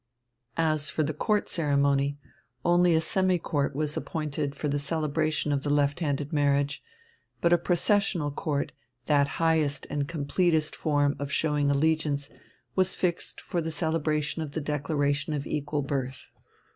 As for the Court ceremony, only a semi Court was appointed for the celebration of the left handed marriage, but a Processional Court, that highest and completest form of showing allegiance, was fixed for the celebration of the declaration of equal birth.